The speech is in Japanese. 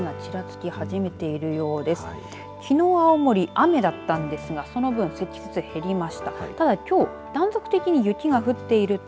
きのう青森、雨だったんですがその分、積雪、減りました。